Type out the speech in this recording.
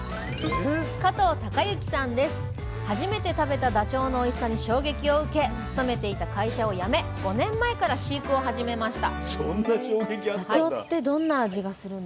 初めて食べたダチョウのおいしさに衝撃を受け勤めていた会社を辞め５年前から飼育を始めました